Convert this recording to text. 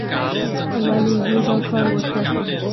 ولې یې دا کار وکه؟